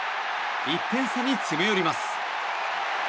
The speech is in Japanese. １点差に詰め寄ります。